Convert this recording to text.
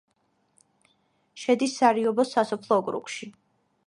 შედის სარიობის სასოფლო ოკრუგში.